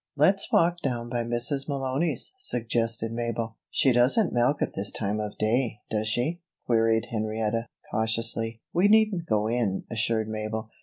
"Let's walk down by Mrs. Malony's," suggested Mabel. "She doesn't milk at this time of day, does she?" queried Henrietta, cautiously. "We needn't go in," assured Mabel.